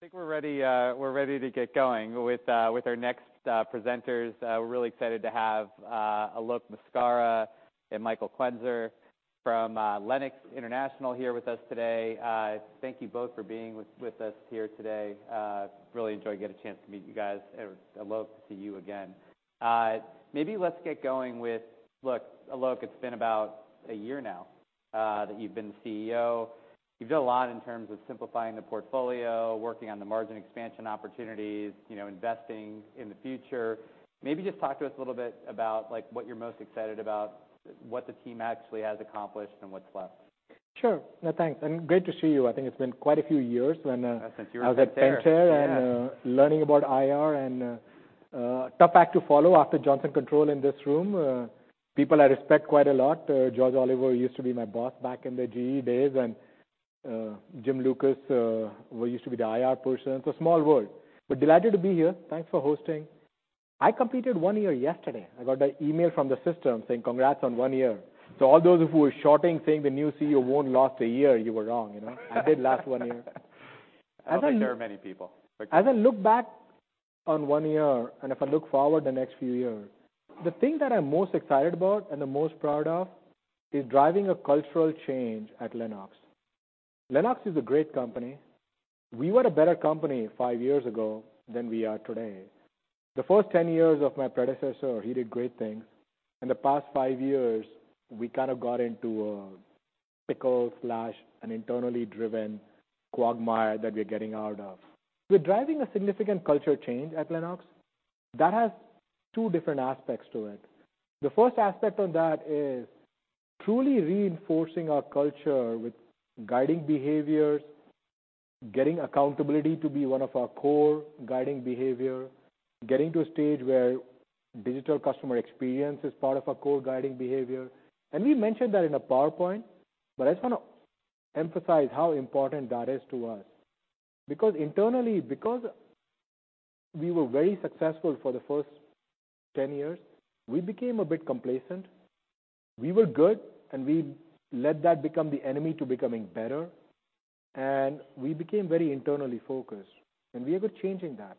I think we're ready, we're ready to get going with our next presenters. We're really excited to have Alok Maskara and Michael Quenzer from Lennox International here with us today. Thank you both for being with us here today. Really enjoy get a chance to meet you guys. Alok, to see you again. Let's get going with. Look, Alok, it's been about a year now, that you've been the CEO. You've done a lot in terms of simplifying the portfolio, working on the margin expansion opportunities, you know, investing in the future. Just talk to us a little bit about, like, what you're most excited about, what the team actually has accomplished and what's left? Sure. No, thanks. And great to see you. I think it's been quite a few years when. Yes Learning about IR and tough act to follow after Johnson Controls in this room. People I respect quite a lot. George Oliver used to be my boss back in the GE days. Jim Lucas, who used to be the IR person. It's a small world. Delighted to be here. Thanks for hosting. I completed 1 year yesterday. I got the email from the system saying, "Congrats on 1 year." All those who were shorting saying the new CEO won't last 1 year, you were wrong, you know. I did last 1 year. I don't think there were many people, but go ahead. As I look back on one year, and if I look forward the next few years, the thing that I'm most excited about and the most proud of is driving a cultural change at Lennox. Lennox is a great company. We were a better company five years ago than we are today. The first 10 years of my predecessor, he did great things. In the past five years, we kind of got into a pickle/an internally driven quagmire that we're getting out of. We're driving a significant culture change at Lennox. That has two different aspects to it. The first aspect on that is truly reinforcing our culture with guiding behaviors, getting accountability to be one of our core guiding behavior, getting to a stage where digital customer experience is part of our core guiding behavior. We mentioned that in a PowerPoint, but I just wanna emphasize how important that is to us. Internally, because we were very successful for the first 10 years, we became a bit complacent. We were good, and we let that become the enemy to becoming better. We became very internally focused, and we are changing that.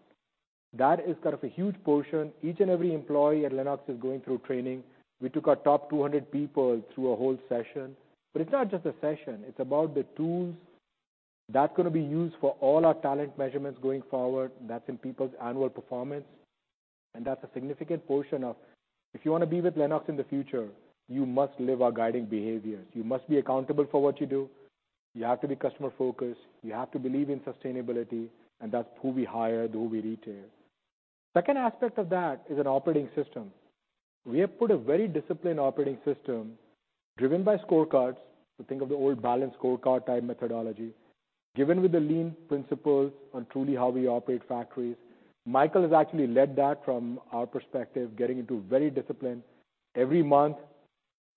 That is kind of a huge portion. Each and every employee at Lennox is going through training. We took our top 200 people through a whole session, but it's not just a session, it's about the tools that's gonna be used for all our talent measurements going forward. That's in people's annual performance, and that's a significant portion of. If you wanna be with Lennox in the future, you must live our guiding behaviors. You must be accountable for what you do. You have to be customer focused. You have to believe in sustainability, and that's who we hire, who we retain. Second aspect of that is an operating system. We have put a very disciplined operating system driven by scorecards. Think of the old balanced scorecard type methodology, given with the lean principles on truly how we operate factories. Michael has actually led that from our perspective, getting into very disciplined every month,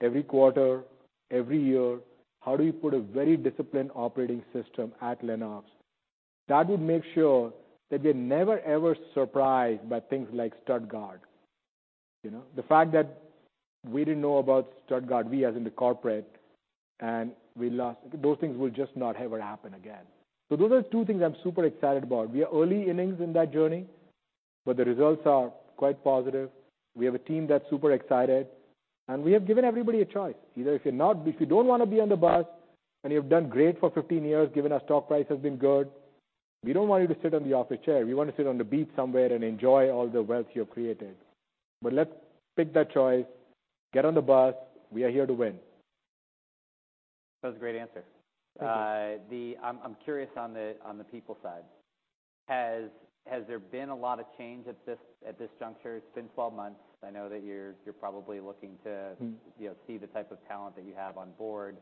every quarter, every year, how do we put a very disciplined operating system at Lennox? That would make sure that we're never, ever surprised by things like Stuttgart. You know? The fact that we didn't know about Stuttgart, we as in the corporate. Those things will just not ever happen again. Those are two things I'm super excited about. We are early innings in that journey, but the results are quite positive. We have a team that's super excited. We have given everybody a choice. If you don't wanna be on the bus, and you've done great for 15 years, given our stock price has been good, we don't want you to sit on the office chair. We wanna sit on the beach somewhere and enjoy all the wealth you've created. Let's pick that choice. Get on the bus. We are here to win. That was a great answer. I'm curious on the people side. Has there been a lot of change at this juncture? It's been 12 months. I know that you're probably looking to you know, see the type of talent that you have on board.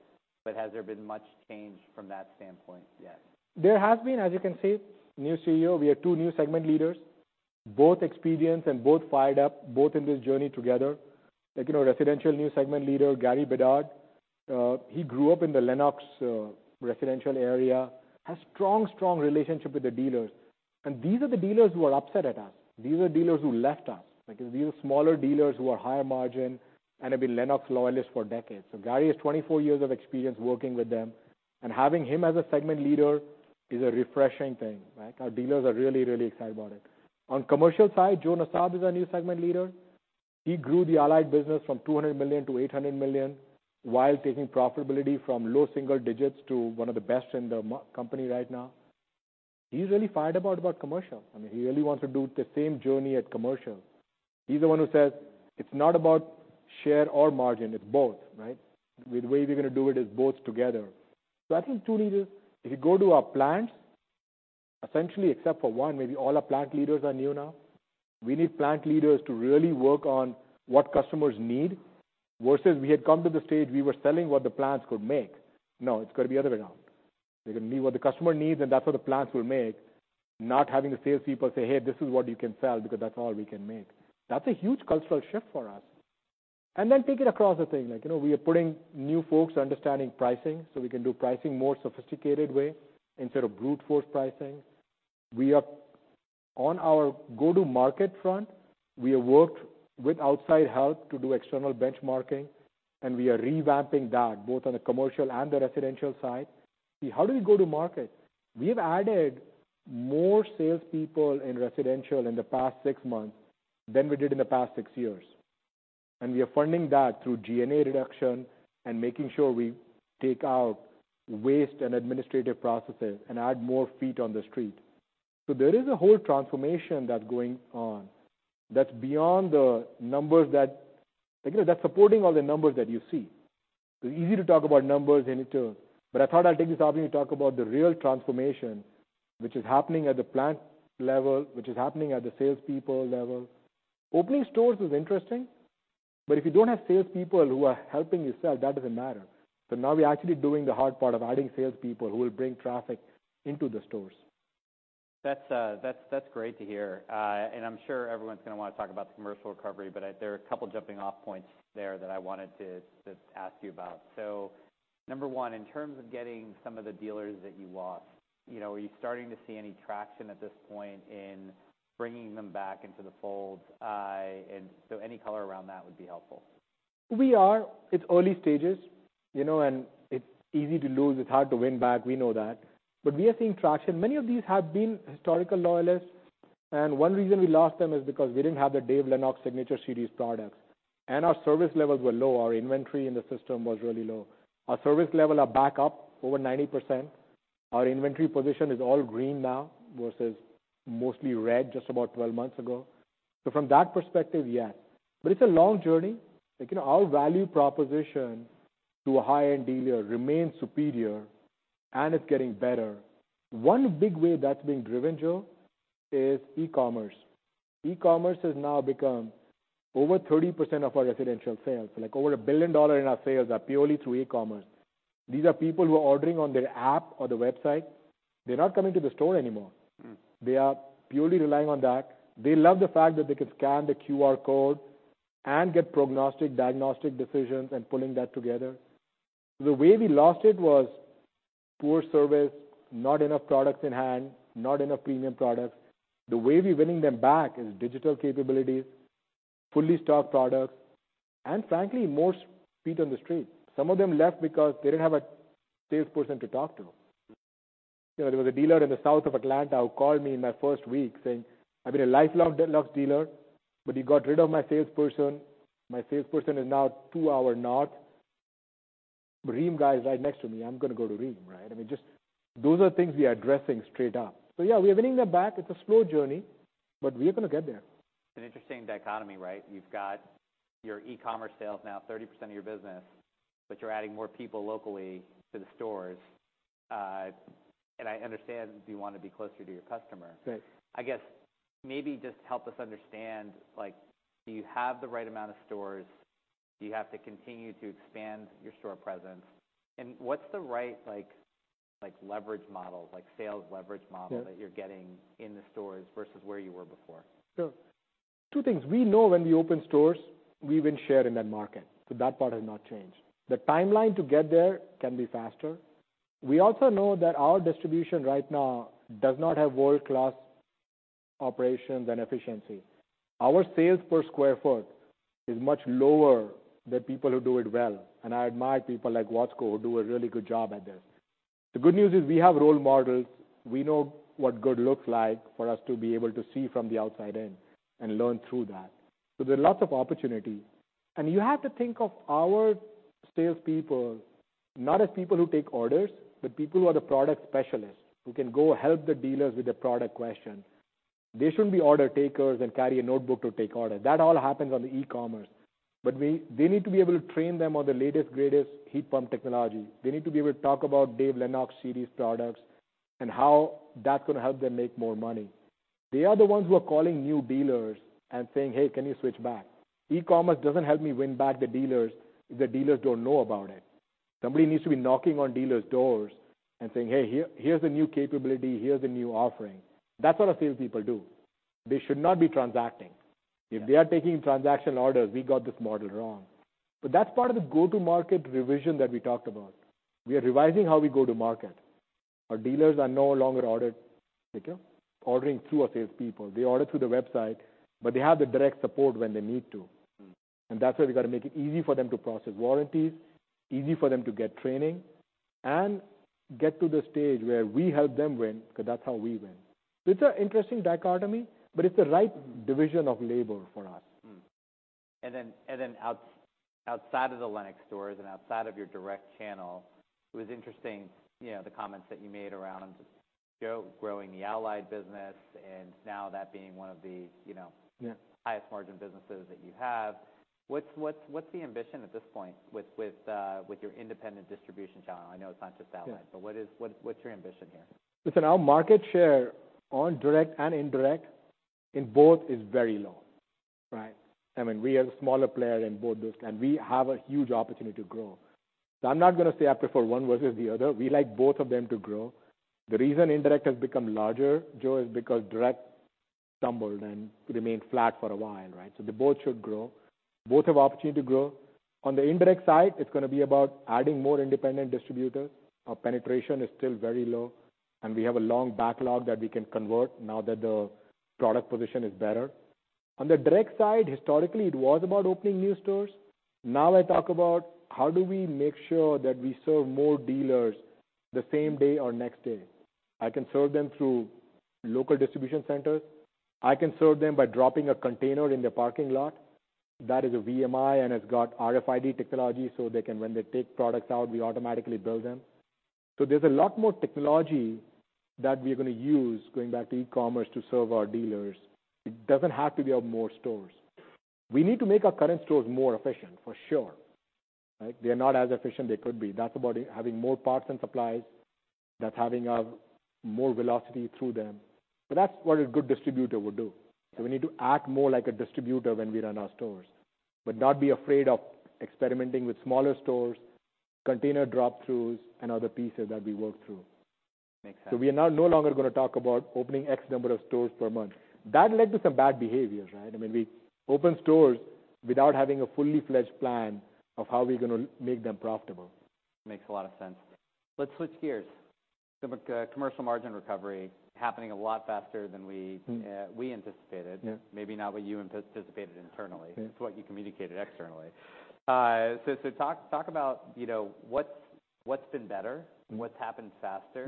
Has there been much change from that standpoint yet? There has been. As you can see, new CEO, we have two new segment leaders, both experienced and both fired up, both in this journey together. Like, you know, residential new segment leader, Gary Bedard, he grew up in the Lennox residential area. Has strong relationship with the dealers. These are the dealers who are upset at us. These are dealers who left us. Like, these are smaller dealers who are higher margin and have been Lennox loyalists for decades. Gary has 24 years of experience working with them, and having him as a segment leader is a refreshing thing, right? Our dealers are really excited about it. On commercial side, Joe Nassab is our new segment leader. He grew the Allied business from $200 million to $800 million while taking profitability from low single digits to one of the best in the company right now. He's really fired up about commercial. I mean, he really wants to do the same journey at commercial. He's the one who says, "It's not about share or margin, it's both." Right? "The way we're gonna do it is both together." I think two leaders. If you go to our plants, essentially, except for one, maybe all our plant leaders are new now. We need plant leaders to really work on what customers need versus we had come to the stage, we were selling what the plants could make. No, it's gotta be the other way around. They're gonna be what the customer needs, and that's what the plants will make. Not having the sales people say, "Hey, this is what you can sell, because that's all we can make." That's a huge cultural shift for us. Then take it across the thing. Like, you know, we are putting new folks understanding pricing, so we can do pricing more sophisticated way instead of brute force pricing. On our go to market front, we have worked with outside help to do external benchmarking, and we are revamping that both on the commercial and the residential side. How do we go to market? We have added more salespeople in residential in the past six months than we did in the past six years. We are funding that through G&A reduction and making sure we take out waste and administrative processes and add more feet on the street. There is a whole transformation that's going on that's beyond the numbers that, you know, that's supporting all the numbers that you see. It's easy to talk about numbers and to. I thought I'd take this opportunity to talk about the real transformation which is happening at the plant level, which is happening at the salespeople level. Opening stores is interesting, but if you don't have sales people who are helping you sell, that doesn't matter. Now we're actually doing the hard part of adding sales people who will bring traffic into the stores. That's, that's great to hear. I'm sure everyone's gonna wanna talk about the commercial recovery, but there are a couple jumping off points there that I wanted to ask you about. Number 1, in terms of getting some of the dealers that you lost, you know, are you starting to see any traction at this point in bringing them back into the fold? Any caller around that would be helpful. We are. It's early stages, you know, and it's easy to lose. It's hard to win back, we know that. We are seeing traction. Many of these have been historical loyalists, and one reason we lost them is because we didn't have the Dave Lennox Signature Collection products, and our service levels were low. Our inventory in the system was really low. Our service level are back up over 90%. Our inventory position is all green now versus mostly red just about 12 months ago. From that perspective, yes. It's a long journey. Like, you know, our value proposition to a high-end dealer remains superior, and it's getting better. One big way that's being driven, Joe, is e-commerce. E-commerce has now become over 30% of our residential sales. Like, over $1 billion in our sales are purely through e-commerce. These are people who are ordering on their app or the website. They're not coming to the store anymore. They are purely relying on that. They love the fact that they can scan the QR code and get prognostic diagnostic decisions and pulling that together. The way we lost it was poor service, not enough products in hand, not enough premium products. The way we're winning them back is digital capabilities, fully stocked products, and frankly, more feet on the street. Some of them left because they didn't have a sales person to talk to. You know, there was a dealer in the south of Atlanta who called me in my first week saying, "I've been a lifelong Lennox dealer, but you got rid of my sales person. My sales person is now two hour north. Rheem guy is right next to me. I'm gonna go to Rheem," right? I mean, just those are things we are addressing straight up. Yeah, we are winning them back. It's a slow journey, but we are gonna get there. An interesting dichotomy, right? You've got your e-commerce sales now 30% of your business, but you're adding more people locally to the stores. I understand you wanna be closer to your customer. I guess maybe just help us understand, like, do you have the right amount of stores? Do you have to continue to expand your store presence? What's the right, like, leverage model, like sales leverage model? that you're getting in the stores versus where you were before? Sure. Two things. We know when we open stores, we win share in that market. That part has not changed. The timeline to get there can be faster. We also know that our distribution right now does not have world class operations and efficiency. Our sales per square foot is much lower than people who do it well, and I admire people like Watsco who do a really good job at this. The good news is we have role models. We know what good looks like for us to be able to see from the outside in and learn through that. There are lots of opportunity. You have to think of our salespeople not as people who take orders, but people who are the product specialists, who can go help the dealers with the product questions. They shouldn't be order takers and carry a notebook to take orders. That all happens on the e-commerce. They need to be able to train them on the latest, greatest heat pump technology. They need to be able to talk about Dave Lennox series products and how that's gonna help them make more money. They are the ones who are calling new dealers and saying, "Hey, can you switch back?" E-commerce doesn't help me win back the dealers if the dealers don't know about it. Somebody needs to be knocking on dealers' doors and saying, "Hey, here's a new capability." Here's a new offering. That's what our salespeople do. They should not be transacting. If they are taking transaction orders, we got this model wrong. That's part of the go-to-market revision that we talked about. We are revising how we go to market. Our dealers are no longer like ordering through our salespeople. They order through the website, but they have the direct support when they need to. That's why we gotta make it easy for them to process warranties, easy for them to get training, and get to the stage where we help them win, cause that's how we win. It's an interesting dichotomy, but it's the right division of labor for us. Then, outside of the Lennox stores and outside of your direct channel, it was interesting, you know, the comments that you made around growing the Allied business and now that being one of the, you know. Highest margin businesses that you have. What's the ambition at this point with your independent distribution channel? I know it's not just Allied. What's your ambition here? Listen, our market share on direct and indirect in both is very low, right? I mean, we are the smaller player in both those, and we have a huge opportunity to grow. I'm not gonna say I prefer one versus the other. We like both of them to grow. The reason indirect has become larger, Joe, is because direct stumbled and remained flat for a while, right? They both should grow. Both have opportunity to grow. On the indirect side, it's gonna be about adding more independent distributors. Our penetration is still very low, and we have a long backlog that we can convert now that the product position is better. On the direct side, historically, it was about opening new stores. Now I talk about how do we make sure that we serve more dealers the same day or next day. I can serve them through local distribution centers. I can serve them by dropping a container in their parking lot that is a VMI and has got RFID technology. When they take products out, we automatically bill them. There's a lot more technology that we are going to use, going back to e-commerce, to serve our dealers. It doesn't have to be of more stores. We need to make our current stores more efficient, for sure, right? They're not as efficient they could be. That's about having more parts and supplies. That's having a more velocity through them. That's what a good distributor would do. We need to act more like a distributor when we run our stores, but not be afraid of experimenting with smaller stores, container drop-throughs, and other pieces that we work through. We are now no longer gonna talk about opening X number of stores per month. That led to some bad behaviors, right? I mean, we opened stores without having a fully fledged plan of how we're gonna make them profitable. Makes a lot of sense. Let's switch gears. Commercial margin recovery happening a lot faster than we we anticipated. Maybe not what you anticipated internally. It's what you communicated externally. Talk about, you know, what's been better. What's happened faster?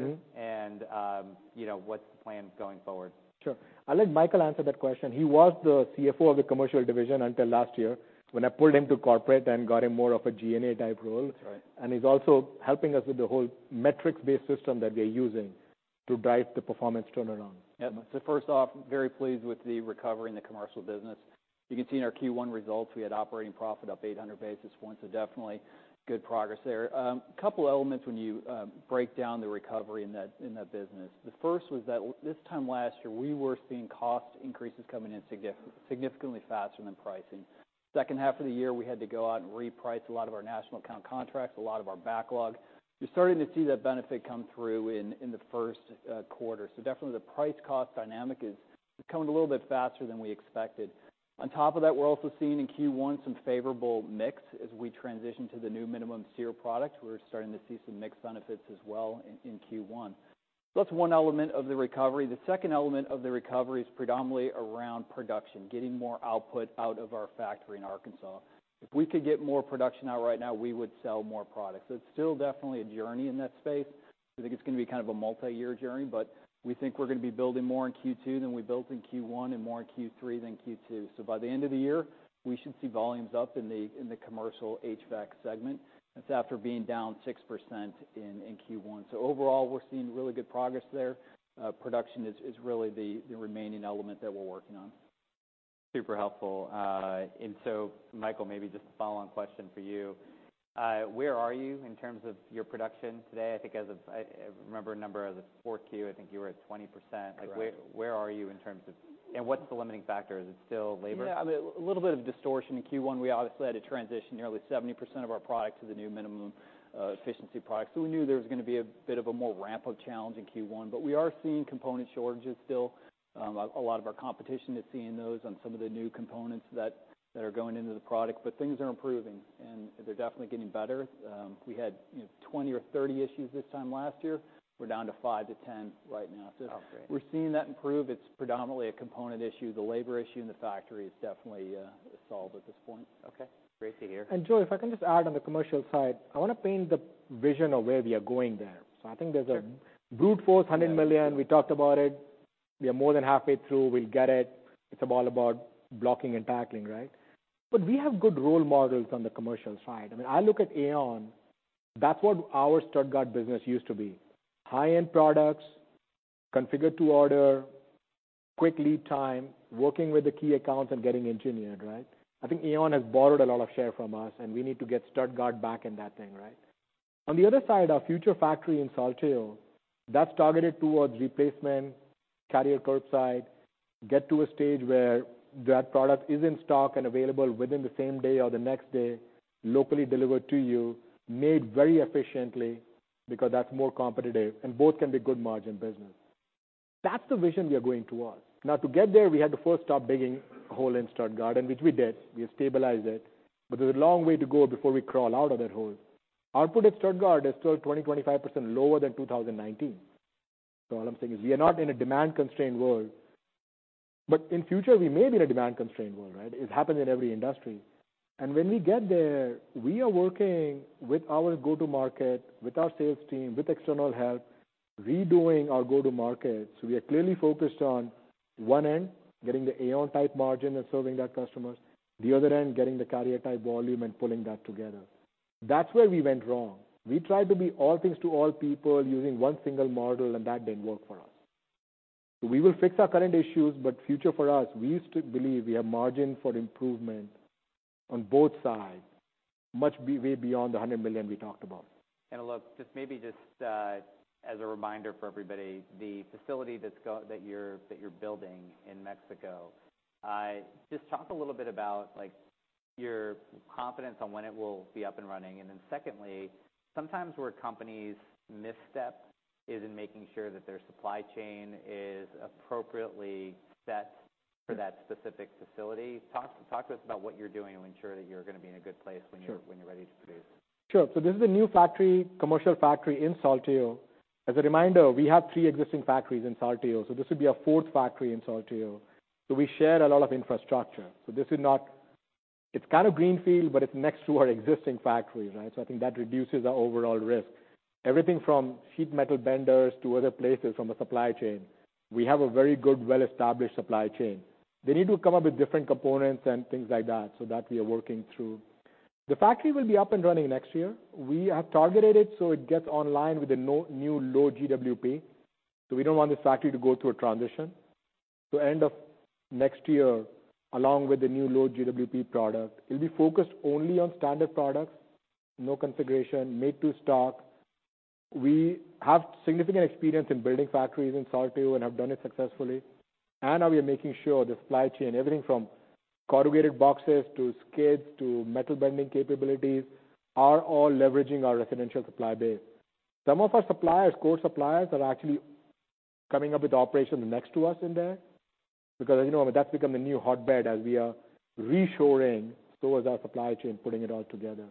You know, what's the plans going forward? Sure. I'll let Michael answer that question. He was the CFO of the commercial division until last year, when I pulled him to corporate and got him more of a G&A type role. That's right. He's also helping us with the whole metrics-based system that we are using to drive the performance turnaround. First off, very pleased with the recovery in the commercial business. You can see in our Q1 results, we had operating profit up 800 basis points. Definitely good progress there. Couple elements when you break down the recovery in that business. The first was that this time last year, we were seeing cost increases coming in significantly faster than pricing. Second half of the year, we had to go out and reprice a lot of our national account contracts, a lot of our backlog. You're starting to see that benefit come through in the first quarter. Definitely the price cost dynamic is coming a little bit faster than we expected. On top of that, we're also seeing in Q1 some favorable mix as we transition to the new minimum SEER product. We're starting to see some mix benefits as well in Q1. That's one element of the recovery. The second element of the recovery is predominantly around production, getting more output out of our factory in Arkansas. If we could get more production out right now, we would sell more products. It's still definitely a journey in that space. I think it's gonna be kind of a multi-year journey, but we think we're gonna be building more in Q2 than we built in Q1 and more in Q3 than Q2. By the end of the year, we should see volumes up in the commercial HVAC segment. That's after being down 6% in Q1. Overall, we're seeing really good progress there. Production is really the remaining element that we're working on. Super helpful. Michael, maybe just a follow-on question for you. Where are you in terms of your production today? I think as of, I remember a number. As of 4Q, I think you were at 20%. Correct. Like, where are you in terms of? And what's the limiting factor? Is it still labor? I mean, a little bit of distortion in Q1. We obviously had to transition nearly 70% of our product to the new minimum efficiency product. We knew there was gonna be a bit of a more ramp-up challenge in Q1, but we are seeing component shortages still. A lot of our competition is seeing those on some of the new components that are going into the product, but things are improving, and they're definitely getting better. We had, you know, 20 or 30 issues this time last year. We're down to 5 to 10 right now. Oh, great. We're seeing that improve. It's predominantly a component issue. The labor issue in the factory is definitely solved at this point. Okay. Great to hear. Joe, if I can just add on the commercial side. I wanna paint the vision of where we are going there. I think there's a brute force $100 million. We talked about it. We are more than halfway through. We'll get it. It's all about blocking and tackling, right? We have good role models on the commercial side. I mean, I look at AAON. That's what our Stuttgart business used to be. High-end products, configured to order, quick lead time, working with the key accounts and getting engineered, right? I think AAON has borrowed a lot of share from us, and we need to get Stuttgart back in that thing, right? Our future factory in Saltillo, that's targeted towards replacement, Carrier curbside, get to a stage where that product is in stock and available within the same day or the next day, locally delivered to you, made very efficiently because that's more competitive, and both can be good margin business. That's the vision we are going towards. To get there, we had to first stop digging a hole in Stuttgart, and which we did. We have stabilized it. There's a long way to go before we crawl out of that hole. Output at Stuttgart is still 20%-25% lower than 2019. All I'm saying is, we are not in a demand-constrained world. In future, we may be in a demand-constrained world, right? It happens in every industry. When we get there, we are working with our go-to-market, with our sales team, with external help, redoing our go-to-market. We are clearly focused on one end, getting the AAON type margin and serving that customers. The other end, getting the Carrier type volume and pulling that together. That's where we went wrong. We tried to be all things to all people using one single model. That didn't work for us. We will fix our current issues. Future for us, we still believe we have margin for improvement on both sides, way beyond the $100 million we talked about. Look, just maybe, as a reminder for everybody, the facility that you're building in Mexico, just talk a little bit about, like, your confidence on when it will be up and running? Then secondly, sometimes where companies misstep. Is in making sure that their supply chain is appropriately set for that specific facility. Talk to us about what you're doing to ensure that you're gonna be in a good place. Sure. when you're ready to produce. Sure. This is a new factory, commercial factory in Saltillo. As a reminder, we have 3 existing factories in Saltillo, so this would be our 4th factory in Saltillo. We share a lot of infrastructure. It's kind of greenfield, but it's next to our existing factories, right? I think that reduces our overall risk. Everything from sheet metal benders to other places from a supply chain. We have a very good, well-established supply chain. They need to come up with different components and things like that, so that we are working through. The factory will be up and running next year. We have targeted it so it gets online with the new low GWP. We don't want this factory to go through a transition. End of next year, along with the new low GWP product, it'll be focused only on standard products, no configuration, made to stock. We have significant experience in building factories in Saltillo, and have done it successfully. Now we are making sure the supply chain, everything from corrugated boxes to skids, to metal bending capabilities, are all leveraging our residential supply base. Some of our suppliers, core suppliers, are actually coming up with operations next to us in there because, you know, that's become the new hotbed as we are reshoring so is our supply chain, putting it all together.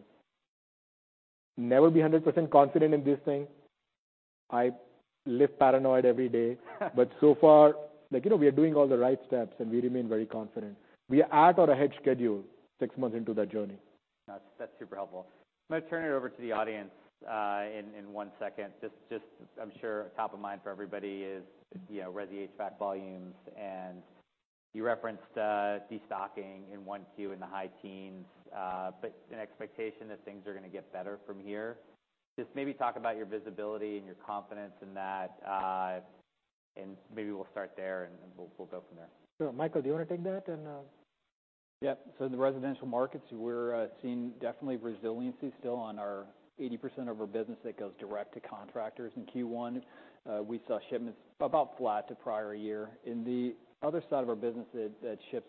Never be 100% confident in this thing. I live paranoid every day. So far, like, you know, we are doing all the right steps, and we remain very confident. We are at or ahead schedule 6 months into that journey. That's super helpful. I'm gonna turn it over to the audience in one second. Just I'm sure top of mind for everybody is, you know, resi HVAC volumes, and you referenced de-stocking in 1Q in the high teens, but an expectation that things are gonna get better from here. Just maybe talk about your visibility and your confidence in that, and maybe we'll start there and we'll go from there. Sure. Michael, do you wanna take that and? In the residential markets, we're seeing definitely resiliency still on our 80% of our business that goes direct to contractors in Q1. We saw shipments about flat to prior year. In the other side of our business that ships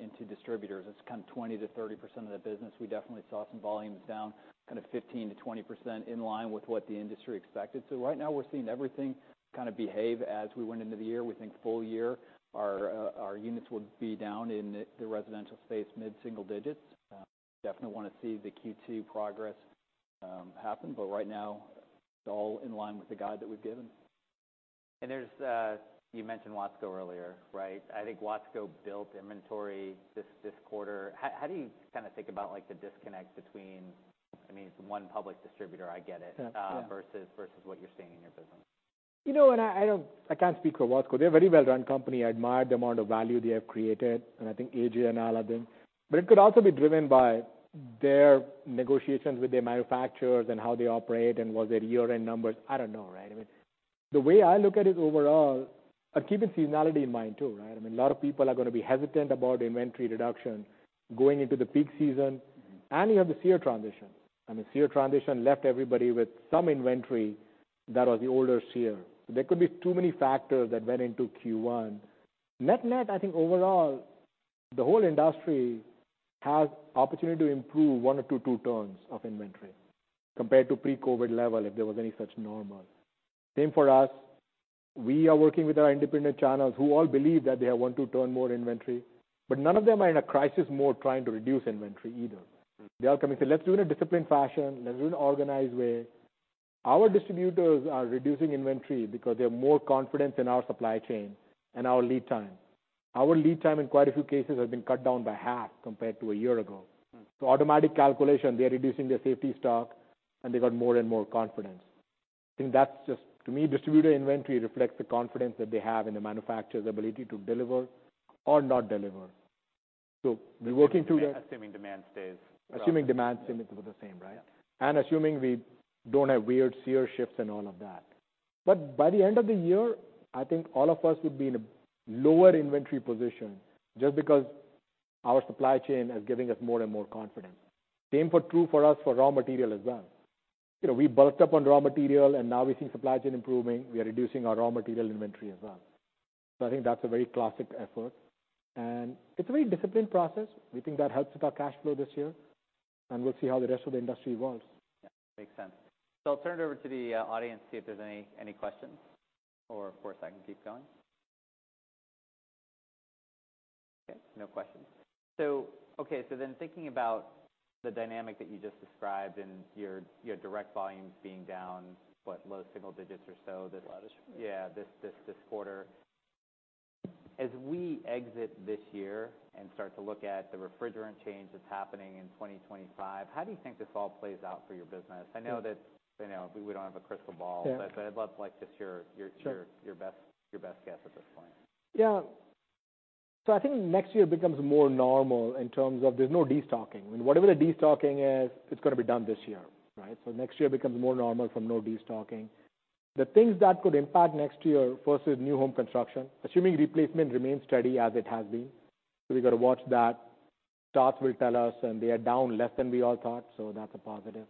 into distributors, it's kind of 20%-30% of the business. We definitely saw some volumes down kind of 15%-20% in line with what the industry expected. Right now we're seeing everything kinda behave as we went into the year. We think full year our units will be down in the residential space, mid-single digits. Definitely wanna see the Q2 progress happen, but right now it's all in line with the guide that we've given. There's, you mentioned Watsco earlier, right? I think Watsco built inventory this quarter. How do you kinda think about like the disconnect between, I mean, it's one public distributor, I get it versus what you're seeing in your business? You know, I can't speak for Watsco. They're a very well-run company. I admire the amount of value they have created, and I think AJ and all of them. It could also be driven by their negotiations with their manufacturers and how they operate, and was their year-end numbers. I don't know, right? I mean, the way I look at it overall, I'm keeping seasonality in mind too, right? I mean, a lot of people are gonna be hesitant about inventory reduction going into the peak season. You have the SEER transition, and the SEER transition left everybody with some inventory that was the older SEER. There could be too many factors that went into Q1. Net-net, I think overall, the whole industry has opportunity to improve 1 or to 2 turns of inventory compared to pre-COVID level, if there was any such normal. Same for us. We are working with our independent channels who all believe that they have 1, 2 turn more inventory, but none of them are in a crisis mode trying to reduce inventory either. They're all coming and say, "Let's do it in a disciplined fashion. Let's do it in an organized way." Our distributors are reducing inventory because they have more confidence in our supply chain and our lead time. Our lead time in quite a few cases has been cut down by half compared to a year ago. Automatic calculation, they're reducing their safety stock, and they got more and more confidence. I think that's just. To me, distributor inventory reflects the confidence that they have in the manufacturer's ability to deliver or not deliver. We're working through that. Assuming demand stays. Assuming demand stays the same, right. Assuming we don't have weird SEER shifts and all of that. By the end of the year, I think all of us would be in a lower inventory position just because our supply chain is giving us more and more confidence. Same for true for us for raw material as well. You know, we bulked up on raw material, and now we see supply chain improving, we are reducing our raw material inventory as well. I think that's a very classic effort, and it's a very disciplined process. We think that helps with our cash flow this year, and we'll see how the rest of the industry evolves. Makes sense. I'll turn it over to the audience, see if there's any questions, or of course, I can keep going? Okay, no questions. Okay, then thinking about the dynamic that you just described and your direct volumes being down, what, low single digits or so this. This quarter. As we exit this year and start to look at the refrigerant change that's happening in 2025, how do you think this all plays out for your business? I know that, you know, we don't have a crystal ball. I'd love, like, just your. Sure. Your best guess at this point. Yeah. I think next year becomes more normal in terms of there's no de-stocking. I mean, whatever the de-stocking is, it's gonna be done this year, right? Next year becomes more normal from no de-stocking. The things that could impact next year, first is new home construction, assuming replacement remains steady as it has been. We've gotta watch that. Starts will tell us, and they are down less than we all thought, so that's a positive.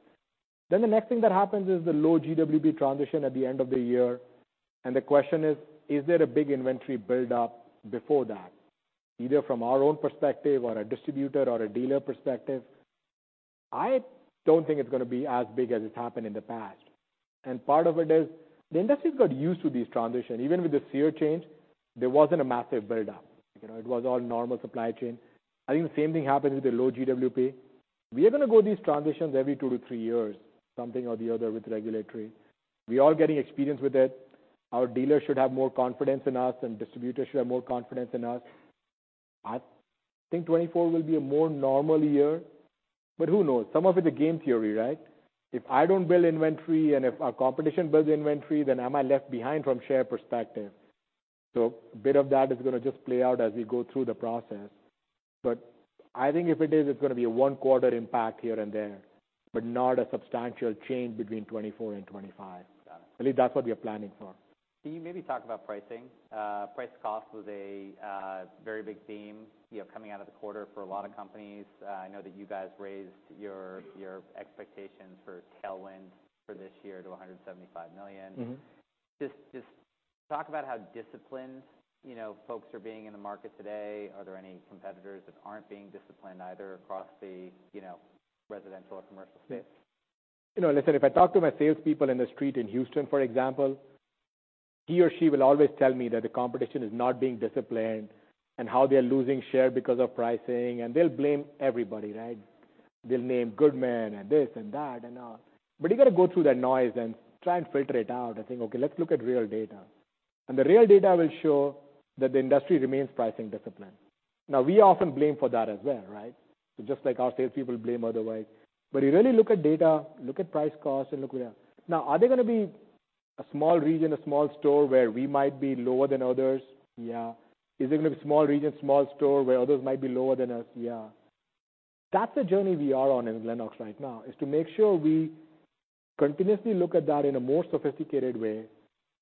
The next thing that happens is the low GWP transition at the end of the year. The question is there a big inventory build-up before that? Either from our own perspective or a distributor or a dealer perspective. I don't think it's gonna be as big as it's happened in the past. Part of it is the industry's got used to these transitions. Even with the SEER change, there wasn't a massive buildup. You know, it was all normal supply chain. I think the same thing happened with the low GWP. We are gonna go these transitions every two to three years, something or the other with regulatory. We are getting experience with it. Our dealers should have more confidence in us, and distributors should have more confidence in us. I think 2024 will be a more normal year, but who knows? Some of it's a game theory, right? If I don't build inventory and if our competition builds inventory, then am I left behind from share perspective? A bit of that is gonna just play out as we go through the process, but I think if it is, it's gonna be a 1 quarter impact here and there, but not a substantial change between 2024 and 2025. At least that's what we are planning for. Can you maybe talk about pricing? Price cost was a very big theme, you know, coming out of the quarter for a lot of companies. I know that you guys raised your expectations for tailwind for this year to $175 million. Just talk about how disciplined, you know, folks are being in the market today. Are there any competitors that aren't being disciplined either across the, you know, residential or commercial space? You know, listen, if I talk to my salespeople in the street in Houston, for example, he or she will always tell me that the competition is not being disciplined and how they're losing share because of pricing, and they'll blame everybody, right? They'll name Goodman and this and that and all. You gotta go through that noise and try and filter it out and think, okay, let's look at real data. The real data will show that the industry remains pricing discipline. We are often blamed for that as well, right? Just like our salespeople blame otherwise. You really look at data, look at price cost and look at. Are there gonna be a small region, a small store where we might be lower than others? Yeah. Is it gonna be small region, small store where others might be lower than us? Yeah. That's the journey we are on in Lennox right now, is to make sure we continuously look at that in a more sophisticated way,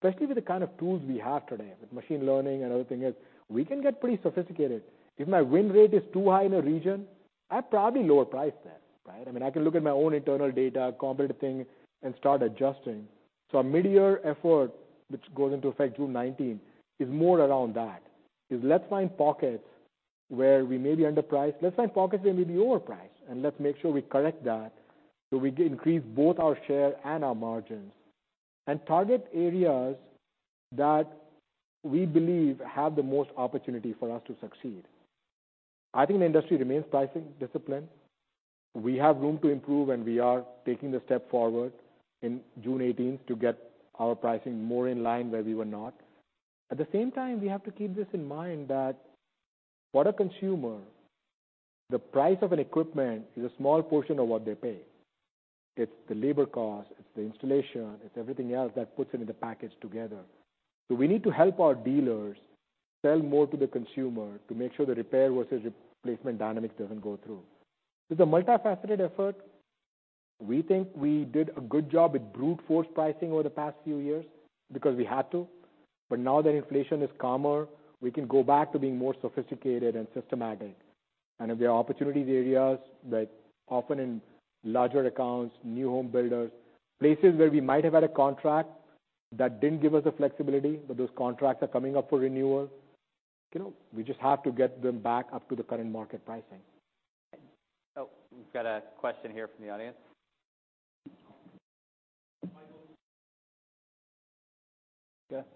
especially with the kind of tools we have today with machine learning and other things. We can get pretty sophisticated. If my win rate is too high in a region, I probably lower price there, right? I mean, I can look at my own internal data, compare the thing and start adjusting. Our midyear effort, which goes into effect June 19, is more around that. Is let's find pockets where we may be underpriced. Let's find pockets where we may be overpriced, and let's make sure we correct that so we increase both our share and our margins. Target areas that we believe have the most opportunity for us to succeed. I think the industry remains pricing discipline. We have room to improve. We are taking the step forward in June 18th to get our pricing more in line where we were not. At the same time, we have to keep this in mind that for a consumer, the price of an equipment is a small portion of what they pay. It's the labor cost, it's the installation, it's everything else that puts it in the package together. We need to help our dealers sell more to the consumer to make sure the repair versus replacement dynamic doesn't go through. It's a multifaceted effort. We think we did a good job with brute force pricing over the past few years because we had to, but now that inflation is calmer, we can go back to being more sophisticated and systematic. If there are opportunity areas like often in larger accounts, new home builders, places where we might have had a contract that didn't give us the flexibility, but those contracts are coming up for renewal. You know, we just have to get them back up to the current market pricing. Oh, we've got a question here from the audience. Michael?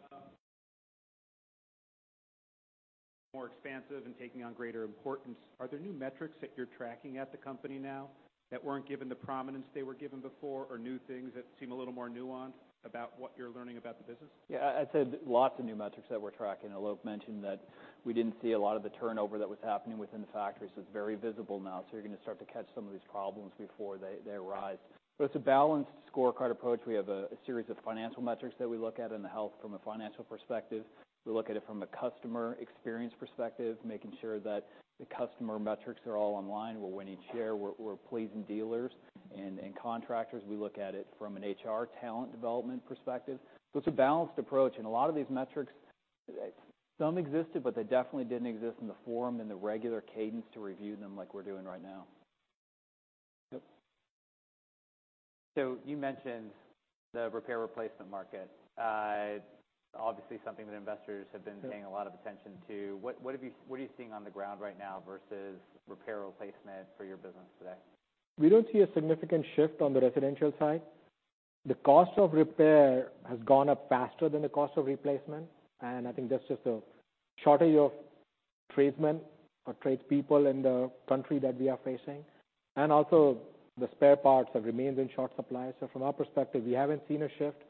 More expansive and taking on greater importance, are there new metrics that you're tracking at the company now that weren't given the prominence they were given before or new things that seem a little more nuanced about what you're learning about the business? I'd say lots of new metrics that we're tracking. Alok mentioned that we didn't see a lot of the turnover that was happening within the factory, so it's very visible now. You're gonna start to catch some of these problems before they arise. It's a balanced scorecard approach. We have a series of financial metrics that we look at in the health from a financial perspective. We look at it from a customer experience perspective, making sure that the customer metrics are all online. We're winning share, we're pleasing dealers and contractors. We look at it from an HR talent development perspective. It's a balanced approach, and a lot of these metrics, some existed, but they definitely didn't exist in the forum, in the regular cadence to review them like we're doing right now. You mentioned the repair replacement market. Obviously something that investors have been paying a lot of attention to. What are you seeing on the ground right now versus repair replacement for your business today? We don't see a significant shift on the residential side. The cost of repair has gone up faster than the cost of replacement. I think that's just a shortage of tradesmen or tradespeople in the country that we are facing, and also the spare parts have remained in short supply. From our perspective, we haven't seen a shift.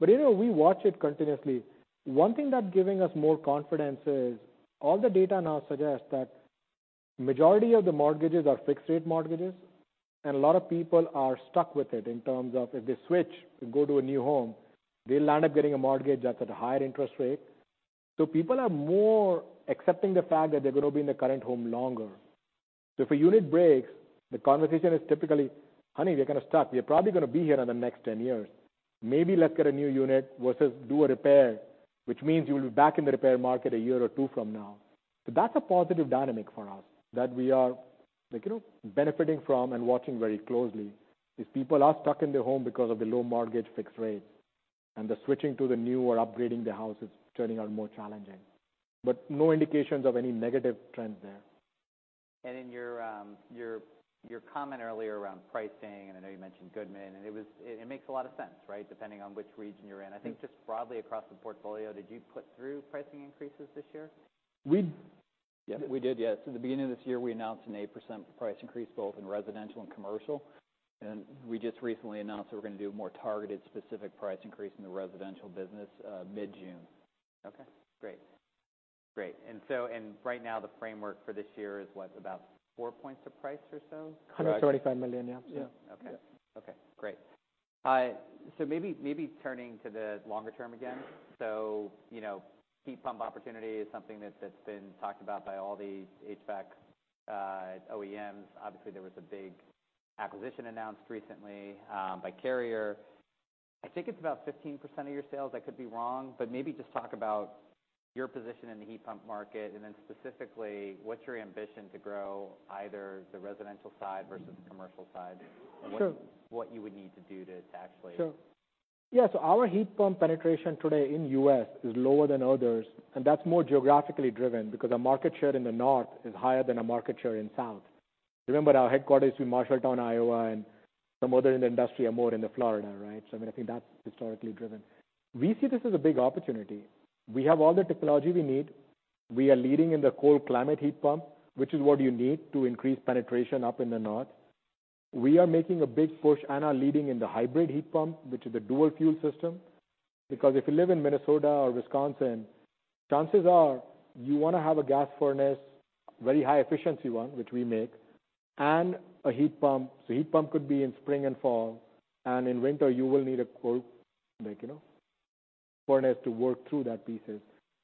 You know, we watch it continuously. One thing that's giving us more confidence is all the data now suggests that majority of the mortgages are fixed rate mortgages. A lot of people are stuck with it in terms of if they switch to go to a new home, they'll end up getting a mortgage that's at a higher interest rate. People are more accepting the fact that they're gonna be in the current home longer. If a unit breaks, the conversation is typically, "Honey, we're kinda stuck. We're probably gonna be here another next 10 years. Maybe let's get a new unit versus do a repair, which means you'll be back in the repair market 1 year or 2 from now." That's a positive dynamic for us that we are, like, you know, benefiting from and watching very closely, is people are stuck in their home because of the low mortgage fixed rate. The switching to the new or upgrading the house is turning out more challenging. No indications of any negative trends there. In your comment earlier around pricing, I know you mentioned Goodman, it makes a lot of sense, right? Depending on which region you're in. I think just broadly across the portfolio, did you put through pricing increases this year? We did, yes. At the beginning of this year, we announced an 8% price increase both in residential and commercial. We just recently announced that we're gonna do a more targeted specific price increase in the residential business, mid-June. Okay, great. Great. Right now, the framework for this year is what? About 4 points to price or so? $135 million, yeah. Okay. Okay, great. Maybe turning to the longer term again. You know, heat pump opportunity is something that's been talked about by all the HVAC OEMs. Obviously, there was a big acquisition announced recently by Carrier. I think it's about 15% of your sales, I could be wrong, but maybe just talk about your position in the heat pump market, and then specifically, what's your ambition to grow either the residential side versus the commercial side? Sure. what you would need to do to actually. Sure. Yeah, our heat pump penetration today in U.S. is lower than others, and that's more geographically driven because our market share in the North is higher than our market share in South. Remember our headquarters in Marshalltown, Iowa, and some other in the industry are more in the Florida, right? I mean, I think that's historically driven. We see this as a big opportunity. We have all the technology we need. We are leading in the cold climate heat pump, which is what you need to increase penetration up in the North. We are making a big push and are leading in the hybrid heat pump, which is a dual fuel system. If you live in Minnesota or Wisconsin, chances are you wanna have a gas furnace, very high efficiency one, which we make, and a heat pump. Heat pump could be in spring and fall, and in winter, you will need a cold, like, you know, furnace to work through that pieces.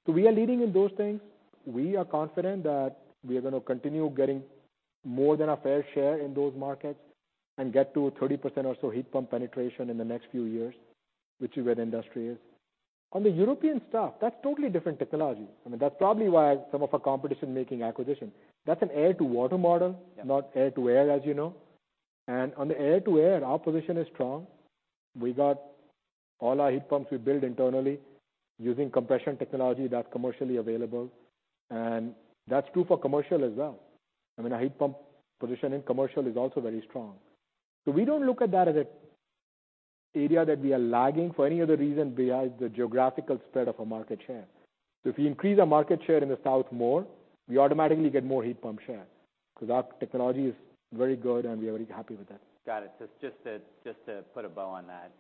We are leading in those things. We are confident that we are gonna continue getting more than our fair share in those markets and get to a 30% or so heat pump penetration in the next few years, which is where the industry is. The European stuff, that's totally different technology. I mean, that's probably why some of our competition making acquisition. That's an air-to-water model. not air-to-air, as you know. On the air-to-air, our position is strong. We got all our heat pumps we build internally using compression technology that's commercially available. That's true for commercial as well. I mean, our heat pump position in commercial is also very strong. We don't look at that as an area that we are lagging for any other reason besides the geographical spread of our market share. If we increase our market share in the South more, we automatically get more heat pump share 'cause our technology is very good, and we are very happy with that. Got it. Just to put a bow on that,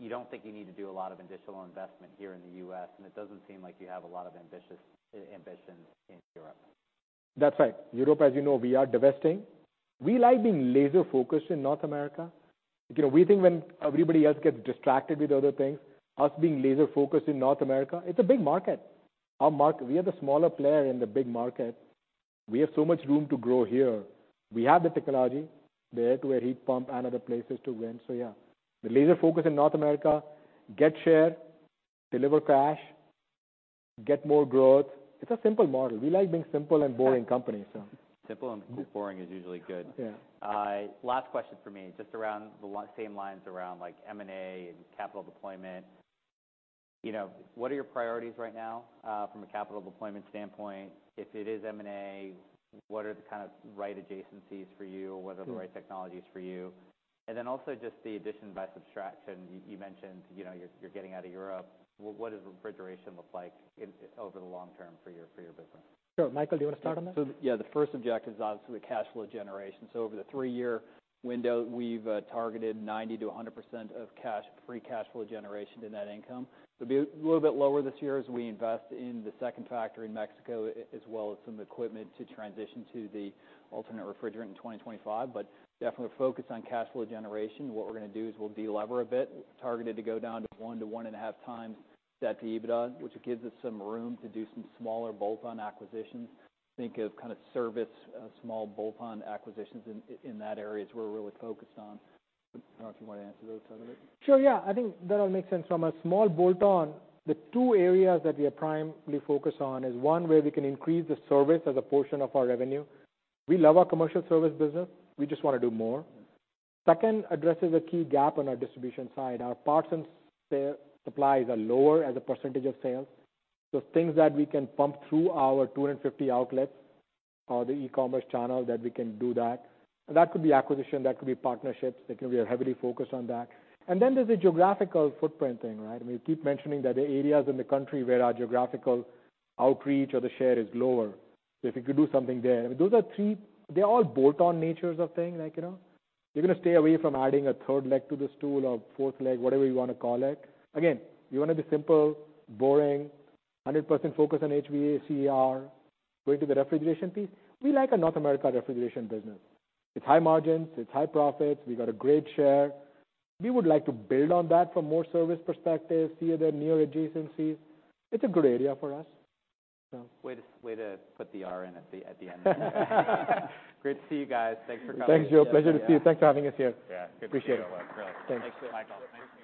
you don't think you need to do a lot of additional investment here in the U.S. It doesn't seem like you have a lot of ambitious ambitions in Europe. That's right. Europe, as you know, we are divesting. We like being laser-focused in North America. You know, we think when everybody else gets distracted with other things, us being laser-focused in North America, it's a big market. We are the smaller player in the big market. We have so much room to grow here. We have the technology there to a heat pump and other places to win. Yeah, the laser focus in North America, get share, deliver cash, get more growth. It's a simple model. We like being simple and boring company, so. Simple and boring is usually good. Last question for me, just around same lines around like M&A and capital deployment. You know, what are your priorities right now, from a capital deployment standpoint? If it is M&A, what are the kind of right adjacencies for you? Sure. What are the right technologies for you? Also just the addition by subtraction. You mentioned, you know, you're getting out of Europe. What does refrigeration look like over the long term for your business? Sure. Michael, do you wanna start on that? Yeah, the first objective is obviously the cash flow generation. Over the 3-year window, we've targeted 90% to 100% of free cash flow generation in that income. It'll be a little bit lower this year as we invest in the second factory in Mexico, as well as some equipment to transition to the alternate refrigerant in 2025. Definitely focused on cash flow generation. What we're gonna do is we'll de-lever a bit, targeted to go down to 1 to 1.5 times debt to EBITDA, which gives us some room to do some smaller bolt-on acquisitions. Think of kind of service, small bolt-on acquisitions in that area is where we're really focused on. I don't know if you wanna answer the other side of it. Sure, yeah. I think that all makes sense. From a small bolt-on, the two areas that we are primarily focused on is, one, where we can increase the service as a portion of our revenue. We love our commercial service business. We just wanna do more. Second, addresses a key gap on our distribution side. Our parts and supplies are lower as a % of sales. Things that we can pump through our 250 outlets or the e-commerce channel that we can do that. That could be acquisition, that could be partnerships. We are heavily focused on that. There's a geographical footprint thing, right? I mean, we keep mentioning that the areas in the country where our geographical outreach or the share is lower. If we could do something there. I mean, those are 3, they're all bolt-on natures of thing. Like, you know, we're gonna stay away from adding a third leg to the stool or fourth leg, whatever you wanna call it. Again, we wanna be simple, boring, 100% focused on HVACR. Going to the refrigeration piece, we like our North America refrigeration business. It's high margins, it's high profits. We got a great share. We would like to build on that for more service perspective, see the near adjacencies. It's a good area for us. Way to put the R in at the end. Great to see you guys. Thanks for coming. Thanks, Joe. Pleasure to see you. Thanks for having us here. Yeah. Appreciate it. Thanks, Joe. Thanks. Michael. Thanks.